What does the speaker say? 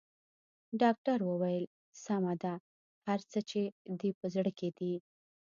ډاکټر وويل سمه ده هر څه چې دې په زړه کې دي.